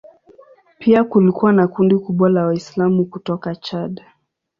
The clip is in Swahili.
Pia kulikuwa na kundi kubwa la Waislamu kutoka Chad.